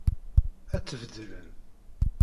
Ad tt-beddlen.